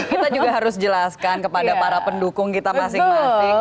kita juga harus jelaskan kepada para pendukung kita masing masing